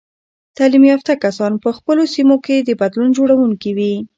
تعلیم یافته کسان په خپلو سیمو کې د بدلون جوړونکي وي.